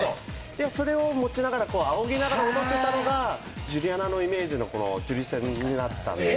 それを持ちながらあおぎながら踊っていたのでジュリアナのイメージのジュリ扇になったんです。